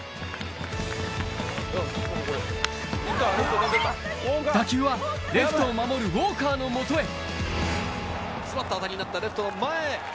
２塁１塁打球はレフトを守るウォーカーの元へ詰まった当たりになったレフトの前へ。